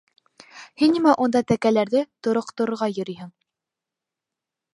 - Һин нимә унда тәкәләрҙе тороҡторорға йөрөйһөң?